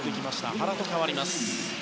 原と代わります。